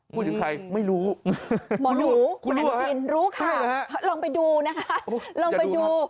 พูดถึงใครไม่รู้หมอหนูคุณอนุทินรู้ค่ะลองไปดูนะคะลองไปดู